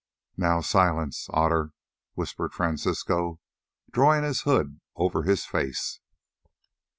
"Now silence, Otter," whispered Francisco, drawing his hood over his face.